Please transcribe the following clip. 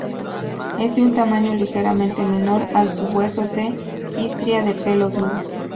Es de un tamaño ligeramente menor al Sabueso de Istria de pelo duro.